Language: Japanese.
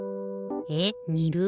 えっ「にる」？